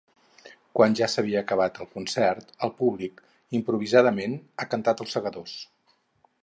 Quan ja s’havia acabat el concert, el públic, improvisadament, ha cantat Els segadors.